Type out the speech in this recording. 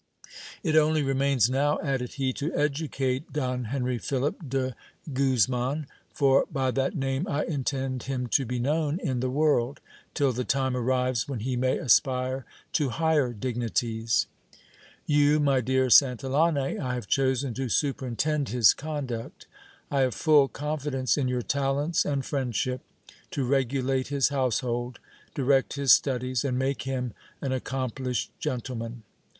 It only remains now, added he, to educate Don Henry Philip de Guzman ; for by that name I intend him to be known in the world, till the time arrives when he may aspire to higher dignities. You, my dear Santillane, I have chosen to superintend his conduct : I have full confidence in your talents and friendship, to regulate his household, direct his studies, and make him an accomplished gentleman.